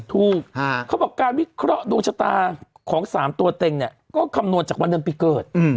เขาบอกการวิเคราะห์ดวงชะตาของ๓ตัวเต็งเนี่ยก็คำนวณจากวันเดือนปีเกิด